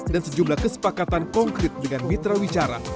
dan sejumlah kesepakatan konkret dengan mitra wicara